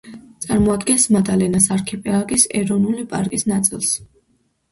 წარმოადგენს მადალენას არქიპელაგის ეროვნული პარკის ნაწილს.